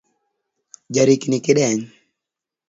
Jarikni kideny